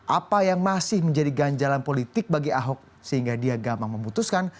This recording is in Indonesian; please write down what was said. apa yang masih menjadi ganjalan politik bagi ahok sehingga dia gamang memutuskan